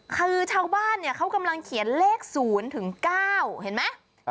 คือชาวบ้านเขากำลังเขียนเลข๐๙เห็นไหม